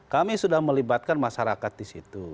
kami sudah melibatkan masyarakat di situ